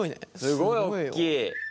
すごいおっきい。